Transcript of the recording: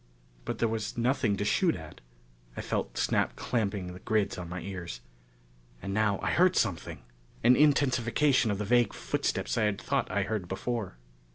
But there was nothing to shoot at. I felt Snap clamping the grids on my ears. And now I heard something! An intensification of the vague footsteps I had thought I heard before.